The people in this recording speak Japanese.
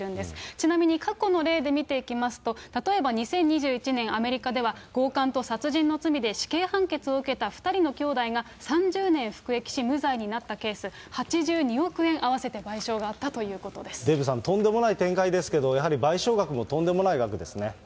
ちなみに、過去の例で見ていきますと、例えば２０２１年、アメリカでは強かんと殺人の罪で死刑判決を受けた２人の兄弟が３０年服役し、無罪になったケース、８３億円、合わせて賠償があったということデーブさん、とんでもない展開ですけれども、やはり賠償額もとんでもない額ですね。